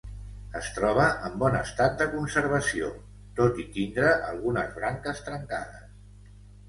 Es troba en bon estat de conservació, tot i tindre algunes branques trencades.